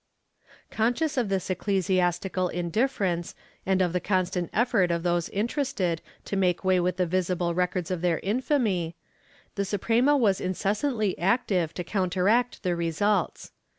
^ Conscious of this ecclesiastical indifference and of the constant effort of those interested to make way with the visible records of their infamy, the Suprema was incessantly active to counteract the results.